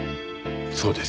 そうです。